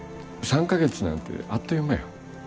３か月なんてあっという間や。